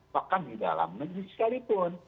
bahkan di dalam negeri sekalipun